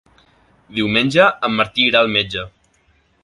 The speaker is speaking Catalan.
Diumenge en Martí irà al metge.